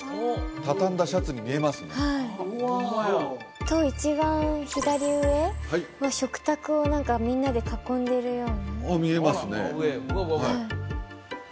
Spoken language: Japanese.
畳んだシャツに見えますねホンマやと一番左上は食卓をみんなで囲んでるようなああ見えますねああ